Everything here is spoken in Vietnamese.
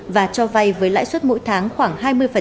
và cho vay với lãi suất mỗi tháng khoảng hai mươi